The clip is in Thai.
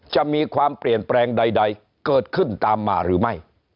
จะมีความเปลี่ยนแปลงใดเกิดขึ้นตามมาหรือไม่